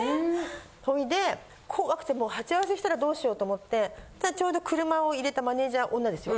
ほいで怖くてもう鉢合わせしたらどうしようと思ってちょうど車を入れたマネージャー女ですよ。